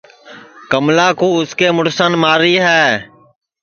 کملا کُو اُس کے مُڑسان ماری ہے